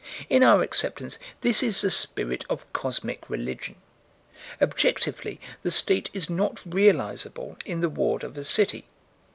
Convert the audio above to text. In our acceptance this is the spirit of cosmic religion. Objectively the state is not realizable in the ward of a city.